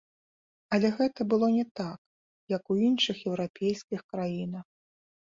Але гэта было не так, як у іншых еўрапейскіх краінах.